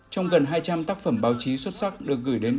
trong gần hai trăm linh tác phẩm báo chí xuất sắc được gửi đến